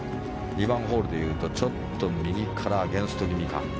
２番ホールでいうと、ちょっと右からアゲンスト気味か。